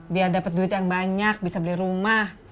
biar dapat duit yang banyak bisa beli rumah